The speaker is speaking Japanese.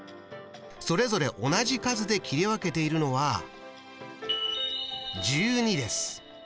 それぞれ同じ数で切り分けているのは１２です。